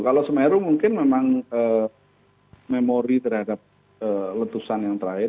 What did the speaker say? kalau semeru mungkin memang memori terhadap letusan yang terakhir